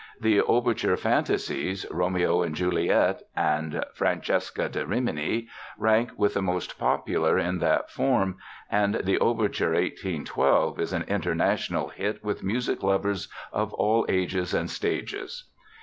The overture fantasies, Romeo and Juliet and Francesca da Rimini, rank with the most popular in that form, and the Overture 1812 is an international hit with music lovers of all ages and stages.